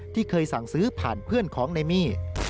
ที่เคยสั่งซื้อผ่านเพื่อนของนายมี่